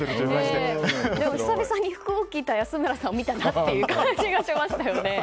でも久々に服を着た安村さんを見たなという感じがしましたよね。